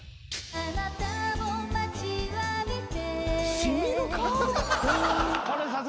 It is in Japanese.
「あなたを待ちわびて」